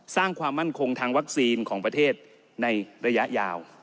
สร้างความมั่นคงทางวัคซีนของประเทศในระยะยาว